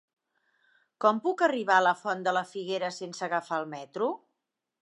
Com puc arribar a la Font de la Figuera sense agafar el metro?